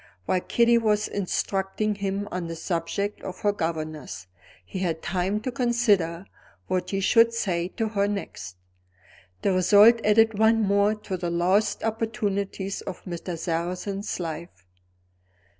While Kitty was instructing him on the subject of her governess, he had time to consider what he should say to her next. The result added one more to the lost opportunities of Mr. Sarrazin's life.